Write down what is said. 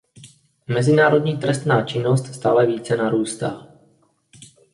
Mezinárodní trestná činnost stále více narůstá.